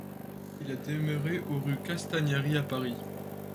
Il a demeuré au rue Castagnary à Paris.